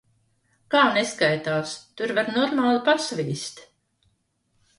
Kā neskaitās? Tur var normāli pasvīst.